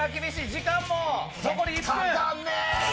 時間も残り１分。